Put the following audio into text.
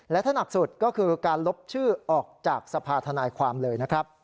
และถ้าหนักสุดก็คือการลบชื่อออกจากสภาธนายความเลยนะครับ